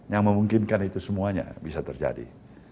yang memungkinkan itu semuanya bisa terjadi